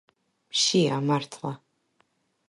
მშია მართლა